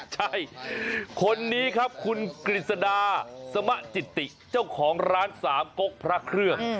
ใช่คนนี้ครับคุณกฤษดาสมะจิติเจ้าของร้านสามกกพระเครื่อง